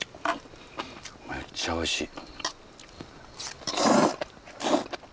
めっちゃおいしい！